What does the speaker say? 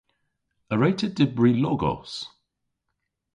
A wre'ta dybri logos?